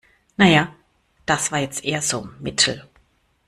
Na ja, das war jetzt eher so mittel.